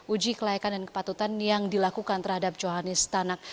uji kelayakan dan kepatutan yang dilakukan terhadap johanis tanak